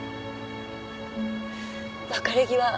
別れ際